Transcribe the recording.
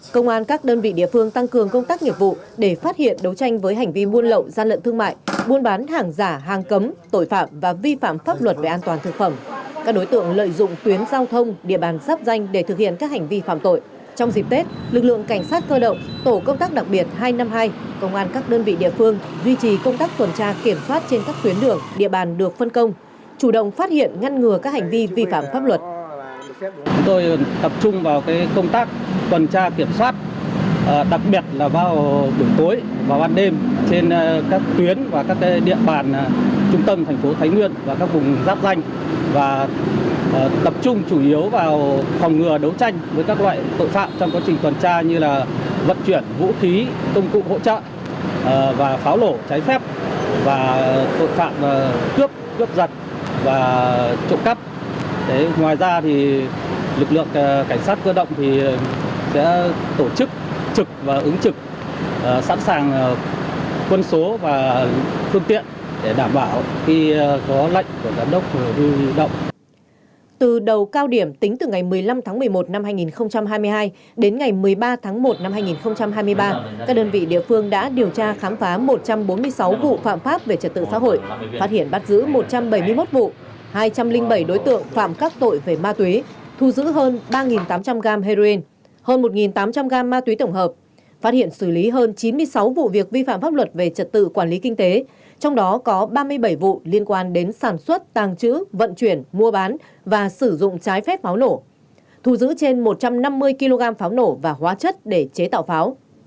các đơn vị địa phương đã điều tra khám phá một trăm bốn mươi sáu vụ phạm pháp về trật tự xã hội phát hiện bắt giữ một trăm bảy mươi một vụ hai trăm linh bảy đối tượng phạm các tội về ma túy thu giữ hơn ba tám trăm linh gram heroin hơn một tám trăm linh gram ma túy tổng hợp phát hiện xử lý hơn chín mươi sáu vụ việc vi phạm pháp luật về trật tự quản lý kinh tế trong đó có ba mươi bảy vụ liên quan đến sản xuất tàng trữ vận chuyển mua bán và sử dụng trái phép pháo nổ thu giữ trên một trăm năm mươi kg pháo nổ và hóa chất để chế tạo pháo